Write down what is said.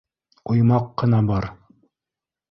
—Уймаҡ ҡына бар.